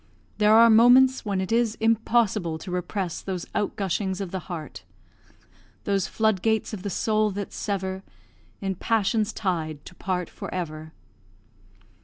There are moments when it is impossible to repress those outgushings of the heart "Those flood gates of the soul that sever, In passion's tide to part for ever."